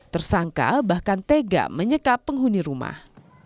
tersangka bahkan tega menyekap penghuni rumah